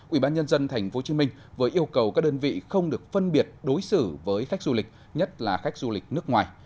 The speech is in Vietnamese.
ubnd tp hcm vừa yêu cầu các đơn vị không được phân biệt đối xử với khách du lịch nhất là khách du lịch nước ngoài